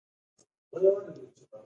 لکه توند باد چي پر لګېدلی وي .